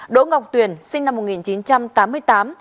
đỗ ngọc tuyển sinh năm một nghìn chín trăm tám mươi tám